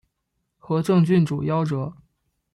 和政郡主夭折。